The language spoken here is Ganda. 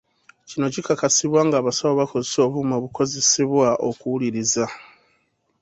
Kino kikakasibwa ng'abasawo bakozesa obuuma obukozesebwa okuwuliriza